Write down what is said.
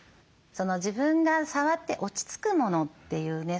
自分が触って落ち着くものっていうね